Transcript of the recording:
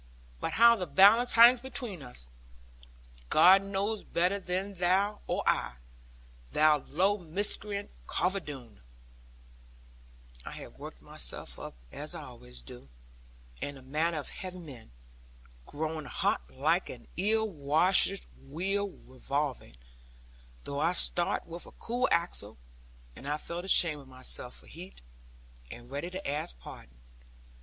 But how the balance hangs between us, God knows better than thou or I, thou low miscreant, Carver Doone.' I had worked myself up, as I always do, in the manner of heavy men; growing hot like an ill washered wheel revolving, though I start with a cool axle; and I felt ashamed of myself for heat, and ready to ask pardon.